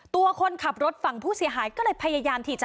คนขับรถฝั่งผู้เสียหายก็เลยพยายามที่จะ